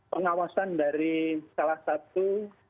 pengawasan dari salah satu